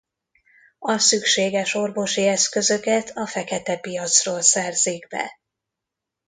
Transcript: A szükséges orvosi eszközöket a feketepiacról szerzik be.